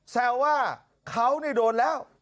แซ่วว่าเขานั่นโดนแล้ว